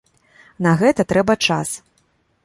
На гэта трэба час.